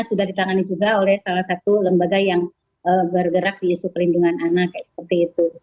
sudah ditangani juga oleh salah satu lembaga yang bergerak di isu perlindungan anak seperti itu